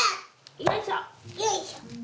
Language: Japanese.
よいしょ。